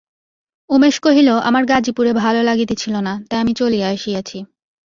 উমেশ কহিল, আমার গাজিপুরে ভালো লাগিতেছিল না, তাই আমি চলিয়া আসিয়াছি।